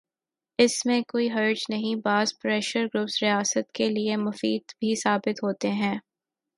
اس میں کوئی حرج بھی نہیں، بعض پریشر گروپس ریاست کے لئے مفید بھی ثابت ہوتے ہیں۔